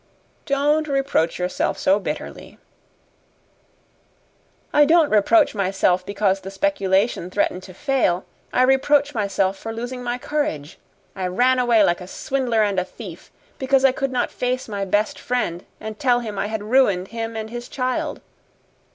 "Don't reproach yourself so bitterly." "I don't reproach myself because the speculation threatened to fail I reproach myself for losing my courage. I ran away like a swindler and a thief, because I could not face my best friend and tell him I had ruined him and his child."